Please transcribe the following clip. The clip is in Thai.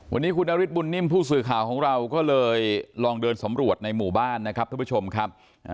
วันนี้คุณนฤทธบุญนิ่มผู้สื่อข่าวของเราก็เลยลองเดินสำรวจในหมู่บ้านนะครับท่านผู้ชมครับ